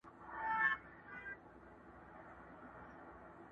چي په گوړه مري، په زهرو ئې مه وژنه.